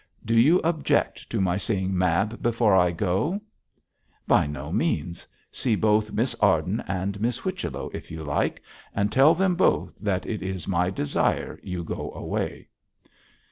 'Do you object to my seeing Mab before I go?' 'By no means; see both Miss Arden and Miss Whichello if you like, and tell them both that it is by my desire you go away.'